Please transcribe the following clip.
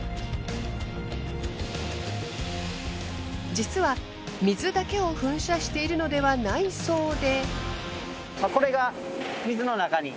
実は水だけを噴射しているのではないそうで。